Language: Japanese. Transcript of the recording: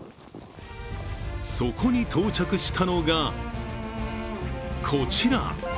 そこに到着したのが、こちら。